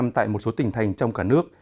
tại một số tỉnh thành trong cả nước